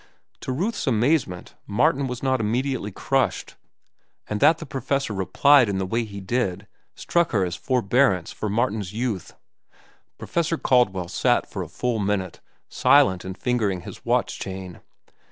To Ruth's amazement, Martin was not immediately crushed, and that the professor replied in the way he did struck her as forbearance for Martin's youth. Professor Caldwell sat for a full minute, silent and fingering his watch chain.